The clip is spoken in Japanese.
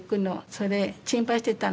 それ心配してたの。